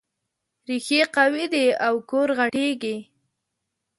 ريښې قوي دي او کور غټېږي.